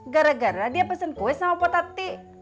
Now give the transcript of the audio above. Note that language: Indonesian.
gara gara dia pesen kue sama bu tati